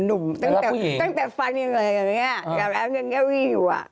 แล้วผู้หญิงตั้งแต่ฟันอย่างนี้แล้วเราก็ยังวิ่งอยู่